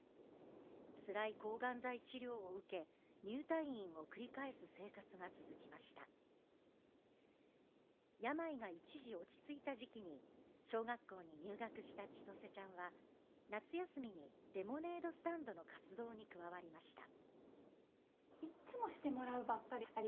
つらい抗がん剤治療を受け入退院を繰り返す生活が続きました病が一時落ち着いた時期に小学校に入学した千歳ちゃんは夏休みにレモネードスタンドの活動に加わりました